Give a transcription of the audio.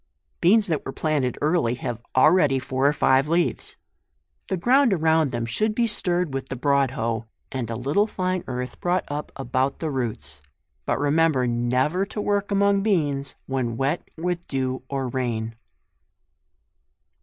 BEANS that were planted early, have already four or five leaves. The ground around them should be stirred with the broad hoe, and a little tine earth brought up about the roots ; but remember never to work among beans when wet with dew or rain.